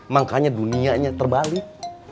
makanya dunianya terbalik